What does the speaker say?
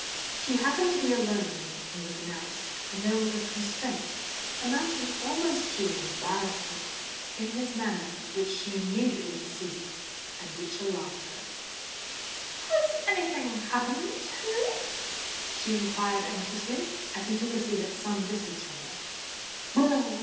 She happened to be alone when he was announced; and there was a constraint—amounting almost to an embarrassment—in his manner which she immediately perceived, and which alarmed her. "Has any thing happened, Henry?" she inquired anxiously, as he took a seat at some distance from her.